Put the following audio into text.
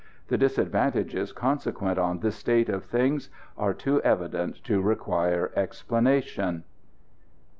The disadvantages consequent on this state of things are too evident to require explanation.